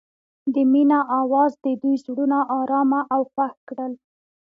د مینه اواز د دوی زړونه ارامه او خوښ کړل.